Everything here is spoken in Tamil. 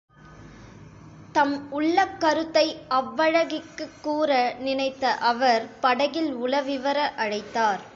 தம் உள்ளக் கருத்தை அவ்வழகிக்குக் கூற நினைத்த அவர், படகில் உலவிவர அழைத்தார்.